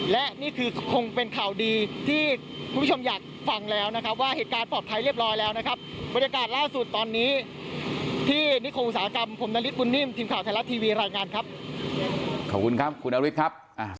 และนี่คือคงเป็นข่าวดีที่คุณผู้ชมอยากฟังแล้วนะครับว่าเหตุการณ์ปลอดภัยเรียบร้อยแล้วนะครับบรรยากาศล่าสุดตอนนี้ที่นิคมอุตสาหกรรมผมนาริสบุญนิ่มทีมข่าวไทยรัฐทีวีรายงานครับขอบคุณครับคุณนฤทธิ์ครับ